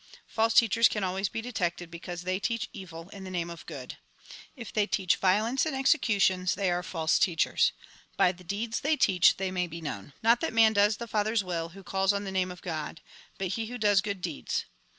False teachers can always be detected, because they teach evil in the name of good. If they teach violence and executions, they are false teachers. By the deeds they teach they may be known. " Not that man does the Father's will, who calls on tlie name of God ; but he who does good deeds.